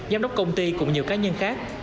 giám đốc công ty cùng nhiều cá nhân khác